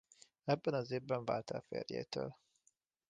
Ebben az évben vált el férjétől.